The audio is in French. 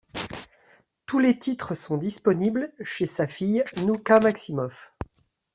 Tous les titres sont disponibles chez sa fille Nouka Maximoff.